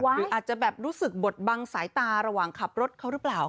หรืออาจจะแบบรู้สึกบดบังสายตาระหว่างขับรถเขาหรือเปล่า